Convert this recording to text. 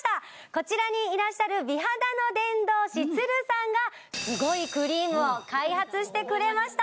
こちらにいらっしゃる美肌の伝道師さんがすごいクリームを開発してくれました！